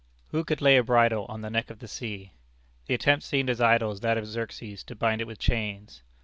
Who could lay a bridle on the neck of the sea? The attempt seemed as idle as that of Xerxes to bind it with chains.